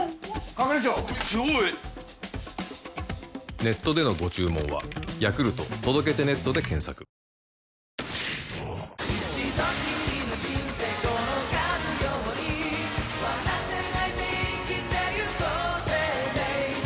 ネットでのご注文は「ヤクルト届けてネット」で検索よく書けてる。